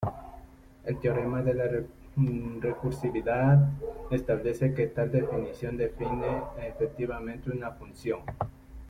El teorema de la recursividad establece que tal definición define efectivamente una función.